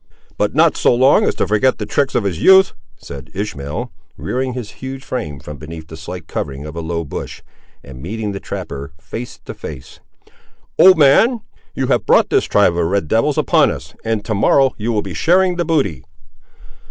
"But not so long as to forget the tricks of his youth," said Ishmael, rearing his huge frame from beneath the slight covering of a low bush, and meeting the trapper, face to face; "old man, you have brought this tribe of red devils upon us, and to morrow you will be sharing the booty."